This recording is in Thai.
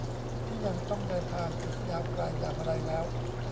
ที่ยังต้องเดินทางอีกยาวไกล อย่างไรแล้ว